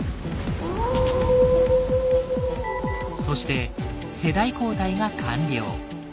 そして「世代交代」が完了。